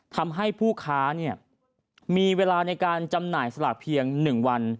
ทำให้ผู้ค้ามีเวลาในการจำหน่ายสลากเพียง๑วัน